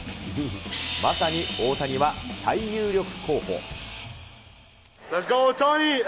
まさに大谷は最有力候補。